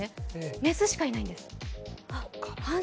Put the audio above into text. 雌しかいないんです。